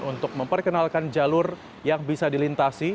untuk memperkenalkan jalur yang bisa dilintasi